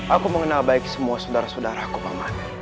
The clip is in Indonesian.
aku mengenal baik semua saudara saudara kupaman